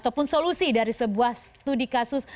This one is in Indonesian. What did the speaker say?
ataupun solusi dari sebuah studi kasus